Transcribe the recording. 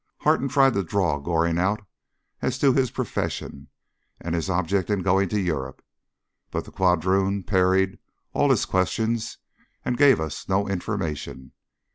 Harton tried to draw Goring out as to his profession, and his object in going to Europe, but the quadroon parried all his questions and gave us no information.